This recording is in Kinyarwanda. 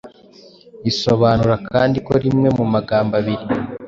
isobanura kandi ko rimwe mu magambo abiri